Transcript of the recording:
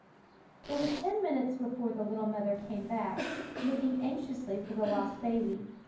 It was ten minutes before the little mother came back, looking anxiously for the lost baby.